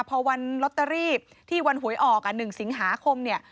พอวันลอตเตอรี่ที่วันหวยออก๑สิงหาคมเนี่ย